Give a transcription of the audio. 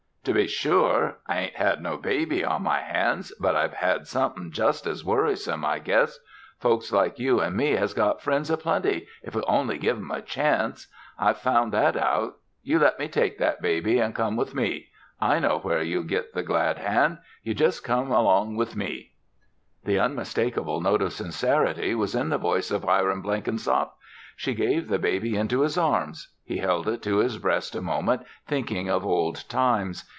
To be sure, I ain't had no baby on my hands but I've had somethin' just as worrisome, I guess. Folks like you an' me has got friends a plenty if we'll only give 'em a chance. I've found that out. You let me take that baby an' come with me. I know where you'll git the glad hand. You just come right along with me." The unmistakable note of sincerity was in the voice of Hiram Blenkinsop. She gave the baby into his arms. He held it to his breast a moment thinking of old times.